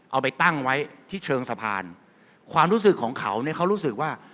เอาไปตั้งไว้ที่เชิงสะพานความรู้สึกของเขาเนี่ยเขารู้สึกว่า